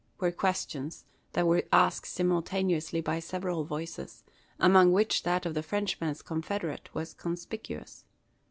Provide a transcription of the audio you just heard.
were questions that were asked simultaneously by several voices, among which that of the Frenchman's confederate was conspicuous.